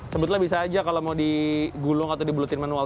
sebutlah bisa aja kalau mau digulung atau dibulutin manual